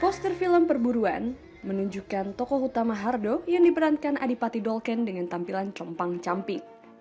poster film perburuan menunjukkan tokoh utama hardo yang diperankan adipati dolken dengan tampilan compang camping